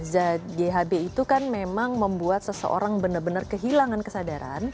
zahb itu kan memang membuat seseorang benar benar kehilangan kesadaran